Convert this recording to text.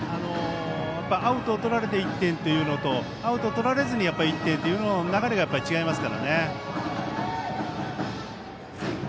アウトをとられて１点というのととられずに１点というのはやっぱり流れが違いますからね。